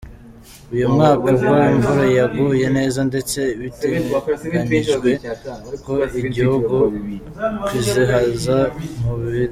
Uyu mwaka bwo imvura yaguye neza ndetse biteganyijwe ko igihugu kizihaza mu biribwa.